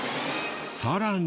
さらに。